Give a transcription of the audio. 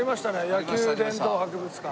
野球殿堂博物館。